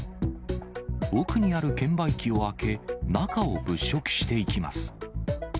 奥にある券売機を開け、中を物色していきます。